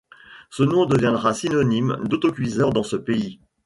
Ce nom deviendra synonyme d'autocuiseur dans ce pays.